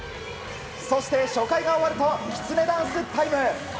そして初回が終わるときつねダンスタイム！